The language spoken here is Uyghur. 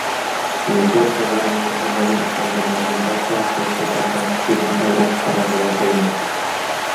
يۇقىرىقىلارنى ئەمەلىي ئىپادىمىزدىن باشقا تەشۋىقاتنىڭ كۈچىدىن ئايرىپ قارىغىلى بولمايدۇ.